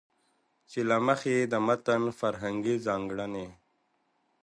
چې له مخې يې د متن فرهنګي ځانګړنې